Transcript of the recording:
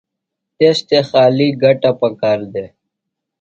تس تھےۡ خالیۡ گٹہ پکار دےۡ۔